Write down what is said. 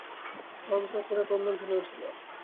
অন্তঃপুরে ক্রন্দনধ্বনি উঠিল।